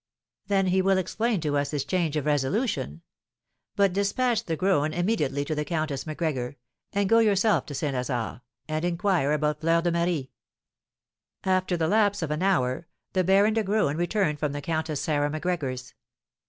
"Then he will explain to us his change of resolution. But despatch De Graün immediately to the Countess Macgregor, and go yourself to St. Lazare, and inquire about Fleur de Marie." After the lapse of an hour, the Baron de Graün returned from the Countess Sarah Macgregor's.